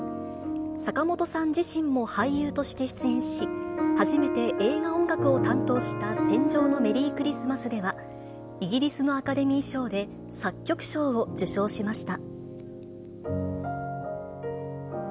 坂本さん自身も俳優として出演し、初めて映画音楽を担当した戦場のメリークリスマスでは、イギリスのアカデミー賞で作曲賞を受賞しました。